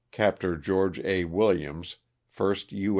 Captain George A. Williams, 1st U.